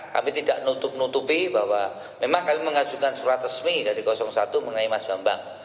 kami tidak nutup nutupi bahwa memang kami mengajukan surat resmi dari satu mengenai mas bambang